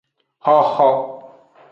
Xoxo.